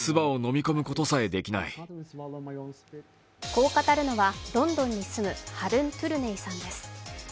こう語るのは、ロンドンに住むハルン・トゥルネイさんです。